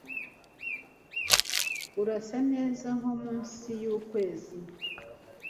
Urasa neza nko munsi y'ukwezi